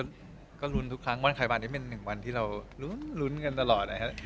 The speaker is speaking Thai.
อิงก็รุนทุกครั้งวันภายบาลนี้เป็นอีกวันที่เรารุนมันรุนกันตลอด